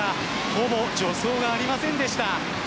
ほぼ助走がありませんでした。